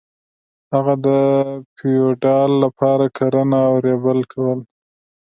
هغه د فیوډال لپاره کرنه او ریبل کول.